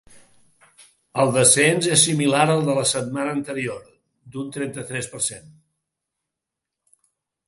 El descens és similar al de la setmana anterior, d’un trenta-tres per cent.